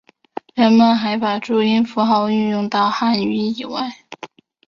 人们还把注音符号运用到汉语以外。